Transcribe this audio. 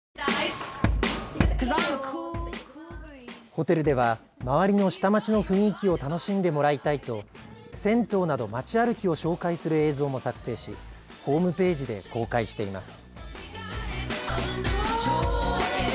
ホテルでは周りの下町の雰囲気を楽しんでもらいたいと銭湯など町歩きを紹介する映像も作成しホームページで公開しています。